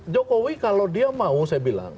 jokowi kalau dia mau saya bilang